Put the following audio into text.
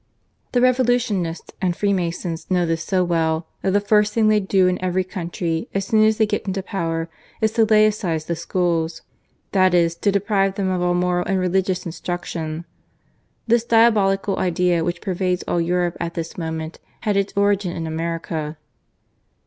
The Revolutionists and Freemasons know this so well, that the first thing they do in every country, as soon as they get into power, is to laicise the schools, that is, to deprive them of all moral and religious instruction. This diabolical idea, which pervades all Europe at this moment, had its origin in America.